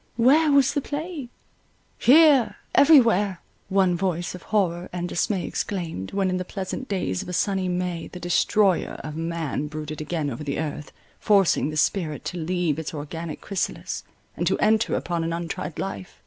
Where was the plague? "Here—every where!" one voice of horror and dismay exclaimed, when in the pleasant days of a sunny May the Destroyer of man brooded again over the earth, forcing the spirit to leave its organic chrysalis, and to enter upon an untried life.